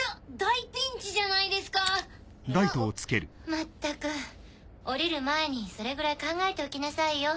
まったく降りる前にそれぐらい考えておきなさいよ。